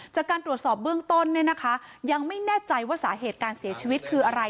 จากการตรวจสอบเบื้องต้นเนี่ยนะคะยังไม่แน่ใจว่าสาเหตุการเสียชีวิตคืออะไร